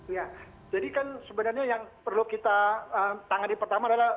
ya jadi kan sebenarnya yang perlu kita tangani pertama adalah